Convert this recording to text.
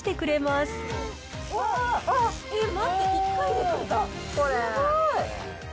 すごい。